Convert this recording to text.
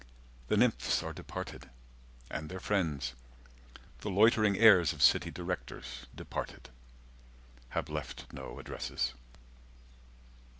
The nymphs are departed. And their friends, the loitering heirs of city directors; 180 Departed, have left no addresses.